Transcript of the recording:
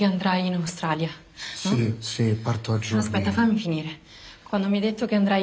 オーストラリアは遠い。